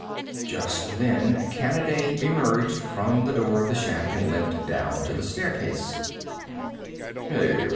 Just then Kanaday emerged from the door of the shack and limped down to the staircase.